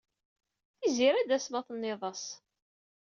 Tiziri ad d-tas ma tenniḍ-as.